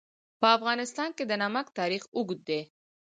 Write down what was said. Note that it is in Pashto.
په افغانستان کې د نمک تاریخ اوږد دی.